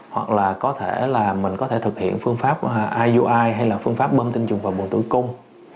hoặc là có thể là mình có thể thực hiện phương pháp ioi hay là phương pháp bơm tinh trùng vào buồn tử cung